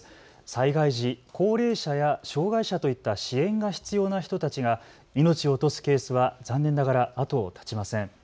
災害時、高齢者や障害者といった支援が必要な人たちが命を落とすケースは残念ながら後を絶ちません。